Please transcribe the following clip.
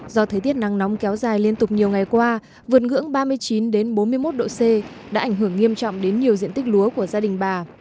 do thời tiết nắng nóng kéo dài liên tục nhiều ngày qua vượt ngưỡng ba mươi chín bốn mươi một độ c đã ảnh hưởng nghiêm trọng đến nhiều diện tích lúa của gia đình bà